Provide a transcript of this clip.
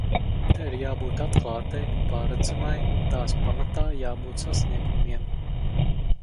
Tai ir jābūt atklātai, pārredzamai un tās pamatā jābūt sasniegumiem.